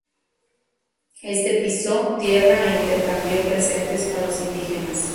Este pisó tierra e intercambió presentes con los indígenas.